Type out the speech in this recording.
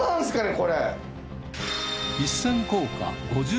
これ。